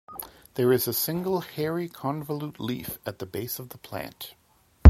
There is a single hairy convolute leaf at the base of the plant.